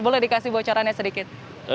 boleh dikasih bocorannya sedikit